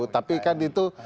tapi kan itu